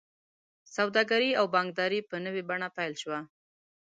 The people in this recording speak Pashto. سوداګري او بانکداري په نوې بڼه پیل شوه.